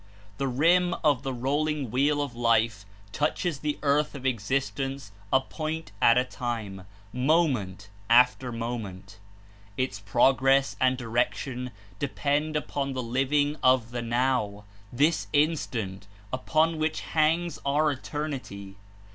The rim of the rolling wheel of life touches the earth of existence a pomt at a time, moment after moment. Its prog ress and direction depend upon the living of the now, this instant, upon which hangs our eternity.